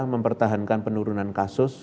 mempertahankan penurunan kasus